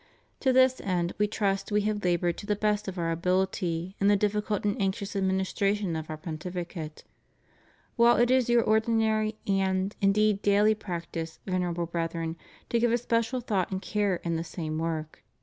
To this end We trust We have labored to the best of Our ability in the difficult and anxious administration of Our Pontificate; while it is your ordinary and, indeed, daily practice. Venerable Brethren, to give especial thought and care in the same work.